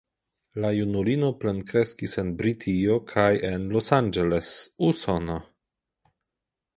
La junulino plenkreskis en Britio kaj en Los Angeles, Usono.